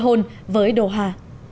li hôn với đồ hà